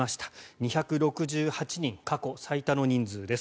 ２６８人過去最多の人数です。